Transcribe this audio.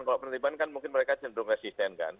kalau penertiban kan mungkin mereka cenderung resisten kan